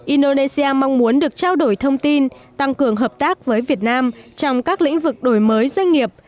indonesia mong muốn được trao đổi thông tin tăng cường hợp tác với việt nam trong các lĩnh vực đổi mới doanh nghiệp